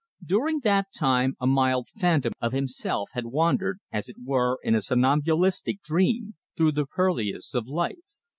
During that time a mild phantom of himself had wandered, as it were in a somnambulistic dream, through the purlieus of life.